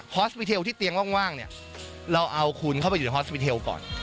อสวิเทลที่เตียงว่างเนี่ยเราเอาคุณเข้าไปอยู่ในฮอสวิเทลก่อน